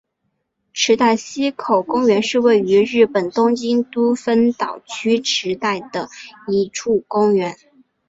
池袋西口公园是位于日本东京都丰岛区池袋的一处公园。